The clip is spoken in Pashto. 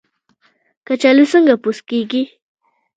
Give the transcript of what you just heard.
کچالو څنګه پوست کیږي؟